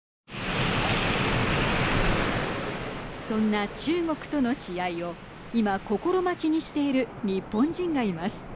そんな中国との試合を、今心待ちにしている日本人がいます。